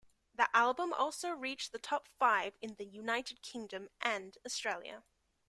The album also reached the top five in the United Kingdom and Australia.